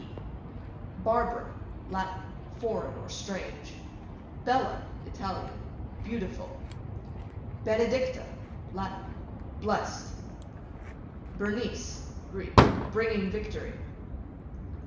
B Barbara, Latin, foreign or strange. Bella, Italian, beautiful. Benedicta, Latin, blessed. Bernice, Greek, bringing victory.